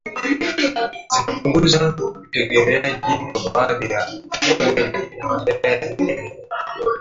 zinapunguza utegemeaji wa baadhi ya fueli na mazoea yenye